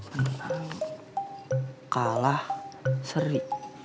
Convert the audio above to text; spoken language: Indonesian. menang kalah seri